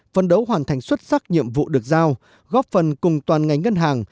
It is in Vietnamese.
phân đấu hoàn thành xuất sắc nhiệm vụ được giao góp phần cùng toàn ngành ngân hàng